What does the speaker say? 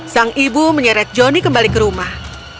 sang ibu menyeret johnny kembali ke rumah